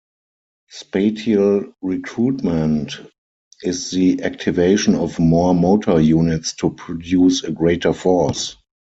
Spatial recruitment is the activation of more motor units to produce a greater force.